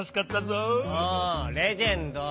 もうレジェンド。